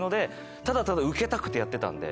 ただただウケたくてやってたんで。